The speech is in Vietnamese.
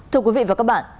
thưa quý vị và các bạn